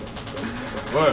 おい。